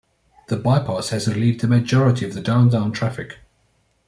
The bypass has relieved a majority of the downtown traffic.